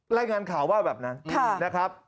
รายงานข่าวว่าแบบนั้นนะครับ